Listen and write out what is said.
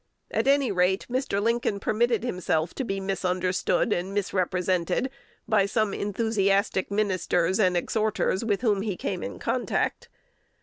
At any rate, Mr. Lincoln permitted himself to be misunderstood and misrepresented by some enthusiastic ministers and exhorters with whom he came in contact.